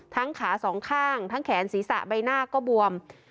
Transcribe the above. ขาสองข้างทั้งแขนศีรษะใบหน้าก็บวม